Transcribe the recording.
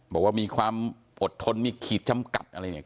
บอกว่ามีความอดทนมีขีดจำกัดอะไรเนี่ย